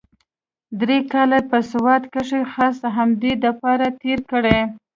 درې کاله يې په سوات کښې خاص د همدې دپاره تېر کړي.